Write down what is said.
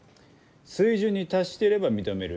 水準に達していれば認める。